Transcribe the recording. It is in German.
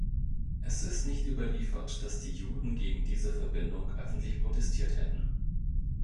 Es ist nicht überliefert, dass die Juden gegen diese Verbindung öffentlich protestiert hätten.